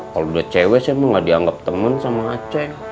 kalo udah cewe saya mau gak dianggap temen sama aceh